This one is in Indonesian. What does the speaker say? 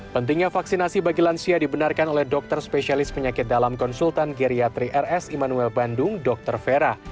pentingnya vaksinasi bagi lansia dibenarkan oleh dokter spesialis penyakit dalam konsultan geriatri rs immanuel bandung dr vera